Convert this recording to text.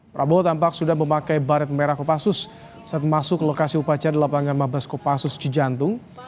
prabowo tampak sudah memakai baret merah kopassus saat memasuki lokasi upacara di lapangan mabes kopassus cijantung